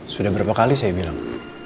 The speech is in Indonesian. sudah berapa kali saya bilang